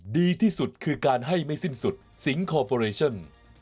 ดีที่สุดคือการให้ไม่สิ้นสุดสิงคอร์ปอเรชั่น